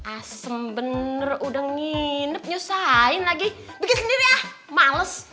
asem bener udah nginep nyusain lagi bikin sendiri ah males